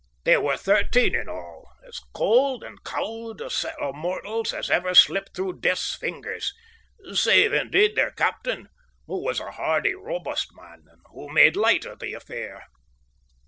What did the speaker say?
They were thirteen in all, as cold and cowed a set of mortals as ever slipped through Death's fingers, save, indeed, their captain, who was a hardy, robust man, and who made light of the affair.